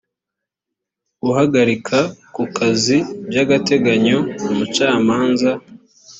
guhagarika ku kazi by agateganyo umucamanza